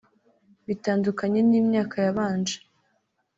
Bitandukanye n’imyaka yabanje